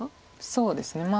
そうですね。